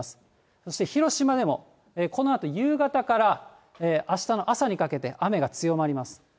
そして広島でも、このあと夕方からあしたの朝にかけて雨が強まります。